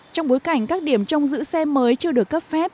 trong bối cảnh các điểm trong giữ xe mới chưa được cấp phép